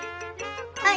はい！